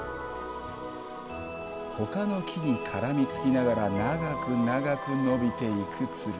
ほかの木に絡みつきながら長く長く伸びていくつる。